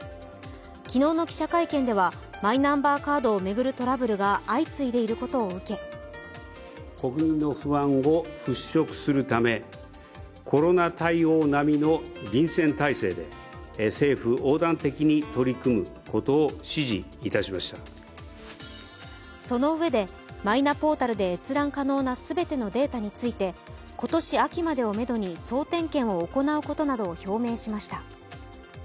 昨日の記者会見ではマイナンバーカードを巡るトラブルが相次いでいることを受けそのうえでマイナポータルで閲覧可能な全てのデータについて今年秋までをめどに総点検を行うことなどを表明しました。